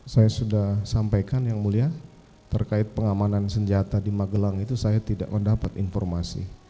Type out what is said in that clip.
saya sudah sampaikan yang mulia terkait pengamanan senjata di magelang itu saya tidak mendapat informasi